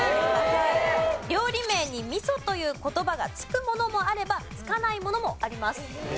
料理名に味噌という言葉が付くものもあれば付かないものもあります。